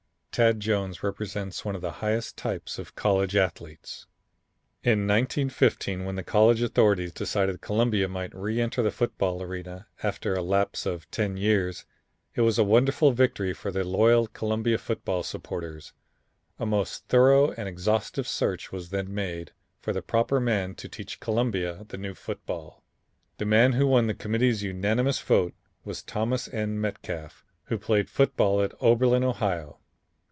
Tad Jones represents one of the highest types of college athletes. In 1915 when the college authorities decided Columbia might re enter the football arena, after a lapse of ten years, it was a wonderful victory for the loyal Columbia football supporters. A most thorough and exhaustive search was then made for the proper man to teach Columbia the new football. The man who won the Committee's unanimous vote was Thomas N. Metcalf, who played football at Oberlin, Ohio.